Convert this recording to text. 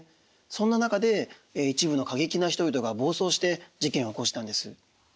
そんな中で一部の過激な人々が暴走して事件を起こしたんです。